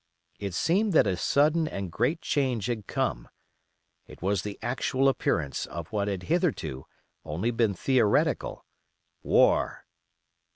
It seemed that a sudden and great change had come. It was the actual appearance of what had hitherto only been theoretical—war.